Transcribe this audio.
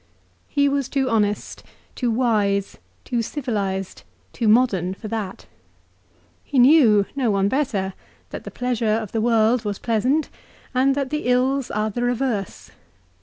He was too honest, too wise, too civilised, too modern for that. He knew, no one better, that the pleasure of the. world was pleasant, and that the ills are the reverse.